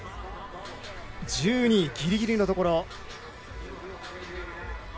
１２位、ギリギリのところ。